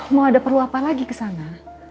mau ada perlu apa lagi ke sana